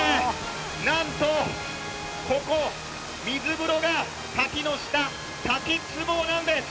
なんと、ここ水風呂が滝の下滝つぼなんです！